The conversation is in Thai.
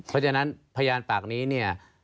เพราะฉะนั้นพยานปากนี้เนี่ย